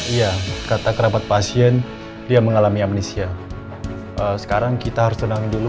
ya karena kerapat pasien dia mengalami amnisia sekarang kita harus tenang dulu